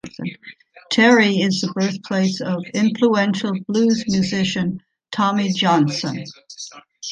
Terry is the birthplace of influential blues musician Tommy Johnson.